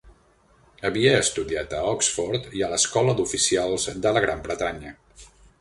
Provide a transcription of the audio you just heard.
Havia estudiat a Oxford i a l'escola d'oficials de la Gran Bretanya.